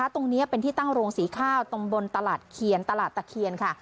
ตรงนี้เป็นที่ตั้งโรงสีข้าวตรงบนตลาดเคียนตลาดตะเคียนค่ะ